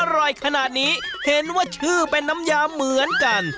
อร่อยขนาดนี้เห็นว่าชื่อเป็นน้ำยาเหมือนกัน